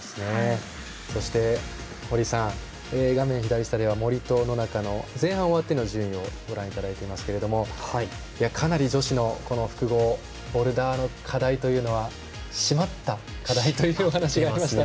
そして、堀さん画面では森と野中の前半終わっての順位をご覧いただいていますがかなり女子の複合ボルダーの課題というのは締まった課題というお話がありましたね。